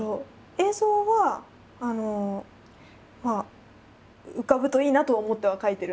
映像は浮かぶといいなとは思っては書いてるんですけど。